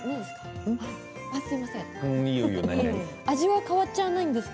味は変わっちゃわないんですか？